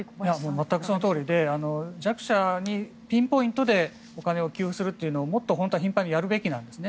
全くそのとおりで弱者にピンポイントでお金を給付するというのをもっと頻繁に本当はやるべきなんですね。